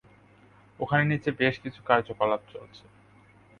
ওখানে নিচে বেশ কিছু কার্যকলাপ চলছে।